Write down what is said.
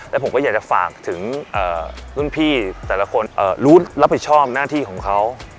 แล้วผมก็อยากจะฝากถึงรุ่นพี่แต่ละคนรู้รับผิดชอบหน้าที่ของเขา